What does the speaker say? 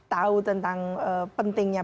tahu tentang pentingnya